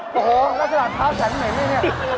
โอ้โฮนัชลาดทาวแสงอันไหนกด้วยตรงนี้